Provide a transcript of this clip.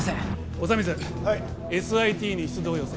小長光ＳＩＴに出動要請